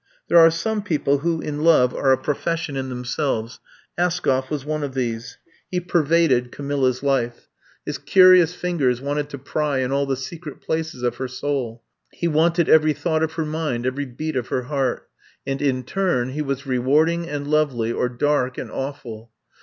There are some people who, in love, are a profession in themselves. Askoff was one of these. He pervaded Camilla's life. His curious fingers wanted to pry in all the secret places of her soul. He wanted every thought of her mind, every beat of her heart; and in turn, he was rewarding and lovely, or dark and awful.